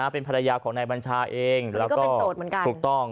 เป็นภรรยาของนายบัญชาเองแล้วก็ถูกต้อง